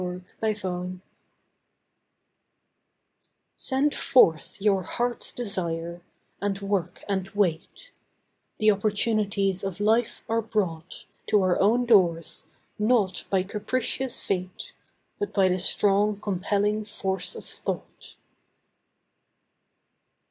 OPPORTUNITY Send forth your heart's desire, and work and wait; The opportunities of life are brought To our own doors, not by capricious fate, But by the strong compelling force of thought.